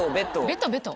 ベトベト？